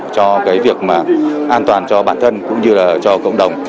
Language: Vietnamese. cho việc an toàn cho bản thân cũng như là cho cộng đồng